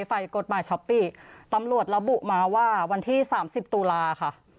ฝ่ายกฎหมายช้อปปี้ตำรวจระบุมาว่าวันที่สามสิบตุลาค่ะ